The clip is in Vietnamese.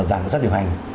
giảm lãi suất điều hành